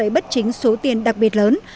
bất chính số tiền đặc biệt lớn